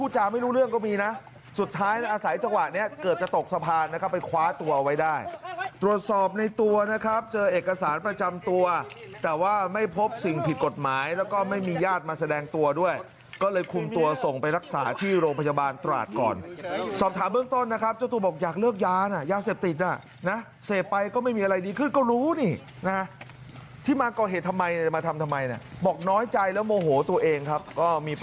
เจ้าหน้าที่ก่อนจะทำแบบนี้เกลี้ยกลอม